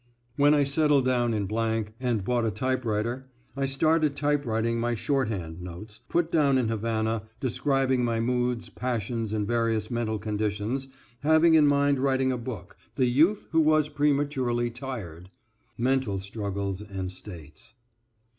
When I settled down in and bought a typewriter I started typewriting my shorthand notes, put down in Havana, describing my moods, passions and various mental conditions, having in mind writing a book, "The Youth Who Was Prematurely Tired" .... mental struggles and states.